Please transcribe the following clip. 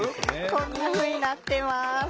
こんなふうになっています。